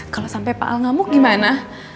kalau sampai pak al ngamuk gimana